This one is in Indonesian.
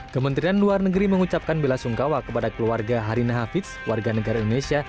kementerian luar negeri mengucapkan bela sungkawa kepada keluarga harina hafiz warga negara indonesia